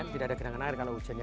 tidak ada genangan air kalau hujannya